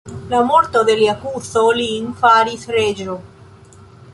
La morto de lia kuzo lin faris reĝo.